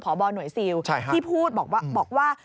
บหน่วยซิลที่พูดบอกว่า